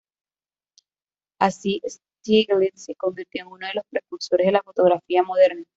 Así, Stieglitz se convirtió en uno de los precursores de la fotografía moderna.